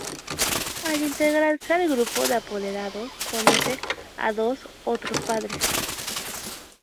Al integrarse al grupo de apoderados conoce a dos otros padres.